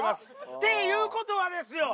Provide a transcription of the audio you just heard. っていうことはですよ！